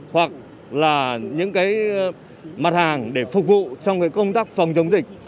hoặc là những cái mặt hàng để phục vụ trong công tác phòng chống dịch